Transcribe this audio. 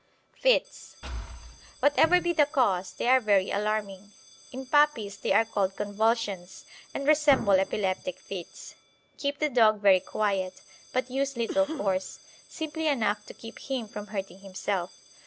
FITS. Whatever be the cause, they are very alarming. In puppies they are called Convulsions, and resemble epileptic fits. Keep the dog very quiet, but use little force, simply enough to keep him from hurting himself.